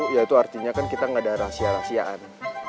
ya itu artinya kan kita nggak ada rahasia rahasiaan